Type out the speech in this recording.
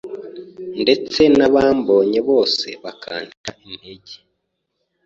ndetse n’abambonye bose bakansha integer